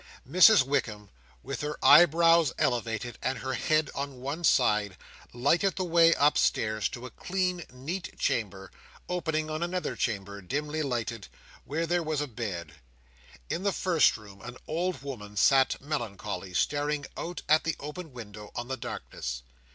Mrs Wickam, with her eyebrows elevated, and her head on one side, lighted the way upstairs to a clean, neat chamber, opening on another chamber dimly lighted, where there was a bed. In the first room, an old woman sat mechanically staring out at the open window, on the darkness.